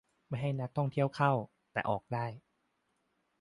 - ไม่ให้นักท่องเที่ยวเข้า แต่ออกได้